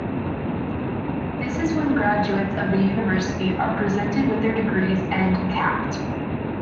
This is when graduates of the university are presented with their degrees and "capped".